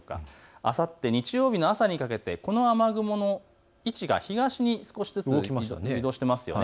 あさって日曜日の朝にかけてこの雨雲の位置が東に少しずつ移動してますよね。